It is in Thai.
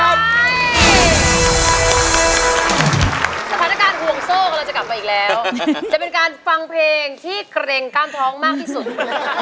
จะเป็นการฟังเพลงที่เคร่งกล้ามท้องมากที่สุด